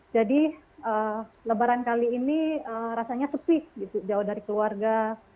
jadi lebaran kali ini rasanya susik jauh dari keluarga